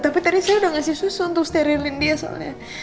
tapi tadi saya udah ngasih susu untuk sterilin dia soalnya